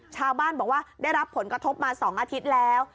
ชาวบ้านบอกว่าได้รับผลกระทบมา๒อาทิตย์แล้ว